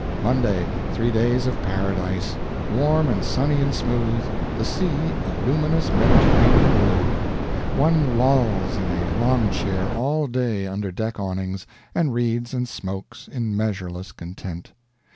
Monday. Three days of paradise. Warm and sunny and smooth; the sea a luminous Mediterranean blue .... One lolls in a long chair all day under deck awnings, and reads and smokes, in measureless content.